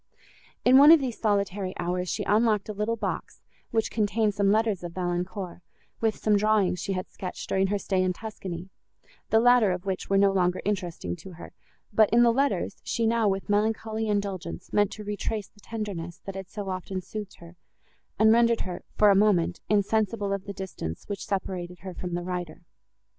In one of these solitary hours, she unlocked a little box, which contained some letters of Valancourt, with some drawings she had sketched, during her stay in Tuscany, the latter of which were no longer interesting to her; but, in the letters, she now, with melancholy indulgence, meant to retrace the tenderness, that had so often soothed her, and rendered her, for a moment, insensible of the distance, which separated her from the writer.